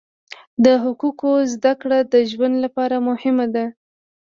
د حقوقو زده کړه د ژوند لپاره مهمه ده.